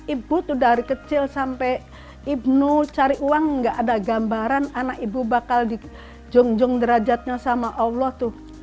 ibu tuh dari kecil sampai ibnu cari uang gak ada gambaran anak ibu bakal dijung jung derajatnya sama allah tuh